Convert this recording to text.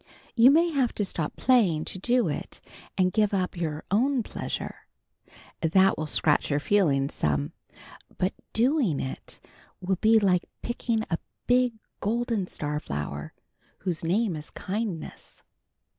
You may have to stop playing to do it, and give up your own pleasure. That will scratch your feelings some, but doing it will be like picking a big golden star flower whose name is kindness.